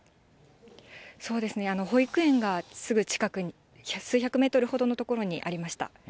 そうですね、保育園がすぐ近くに、数百メートルほどの所にありました。